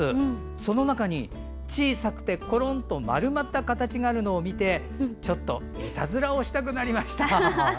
その中に小さくてコロンと丸まった形があるのを見てちょっといたずらをしたくなりました。